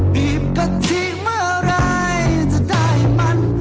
บีบกะทิเมื่อไหร่จะได้มัน